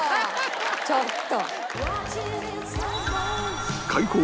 ちょっと。